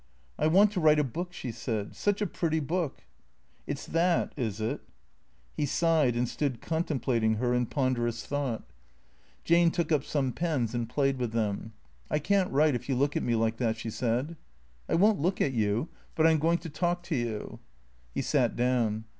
" I want to write a book," she said. " Such a pretty book." "It's that, is it?" He sighed and stood contemplating her in ponderous thouo Jit. 326 T H E C R E A T 0 R S Jane took up some pens and played with them. " I can't write if you look at me like that," she said. " I won't look at you ; but I 'm going to talk to you." He sat down.